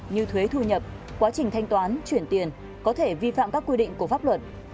như thuế thu nhập quá trình thanh toán chuyển tiền có thể vi phạm các quy định của pháp luật